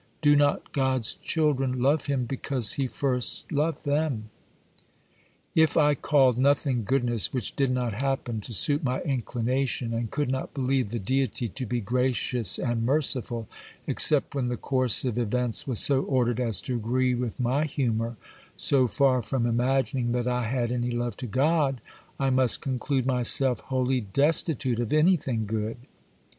Do not God's children love Him because He first loved them? 'If I called nothing goodness which did not happen to suit my inclination, and could not believe the Deity to be gracious and merciful except when the course of events was so ordered as to agree with my humour, so far from imagining that I had any love to God, I must conclude myself wholly destitute of anything good.